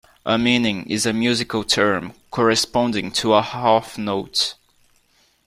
A minim is a musical term corresponding to a half note